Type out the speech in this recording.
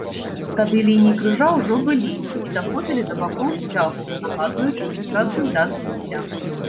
Тады лініі крыжа ўжо былі і даходзілі да бакоў сцягу, нагадваючы сучасны дацкі сцяг.